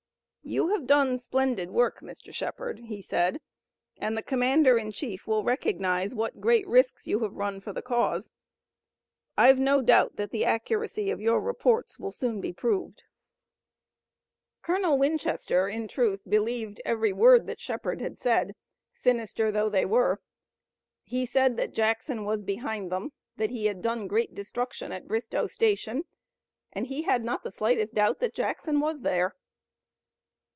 "You have done splendid work, Mr. Shepard," he said, "and the commander in chief will recognize what great risks you have run for the cause. I've no doubt that the accuracy of your reports will soon be proved." Colonel Winchester in truth believed every word that Shepard had said, sinister though they were. He said that Jackson was behind them, that he had done the great destruction at Bristoe Station and he had not the slightest doubt that Jackson was there.